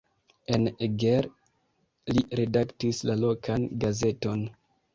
En Eger li redaktis la lokan gazeton.